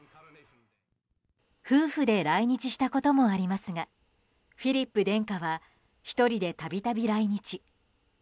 夫婦で来日したこともありますがフィリップ殿下は１人で度々来日。